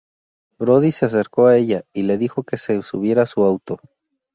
Brody se acercó a ella y le dijo que se subiera a su auto.